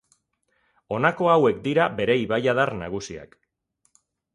Honako hauek dira bere ibaiadar nagusiak.